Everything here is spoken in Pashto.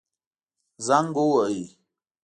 زنګ ووهئ